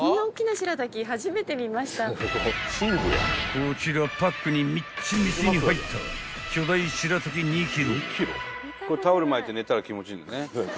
［こちらパックにみっちみちに入った巨大しらたき２ｋｇ］